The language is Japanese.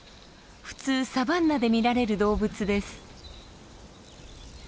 普通サバンナで見られる動物です。